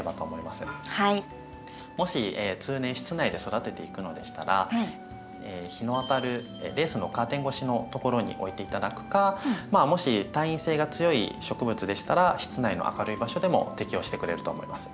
もし通年室内で育てていくのでしたら日の当たるレースのカーテン越しのところに置いて頂くかまあもし耐陰性が強い植物でしたら室内の明るい場所でも適応してくれると思います。